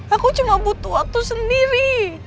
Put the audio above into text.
aku cuma butuh waktu sendiri